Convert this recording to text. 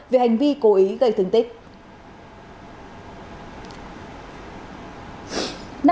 về hành vi cố ý gây thương tích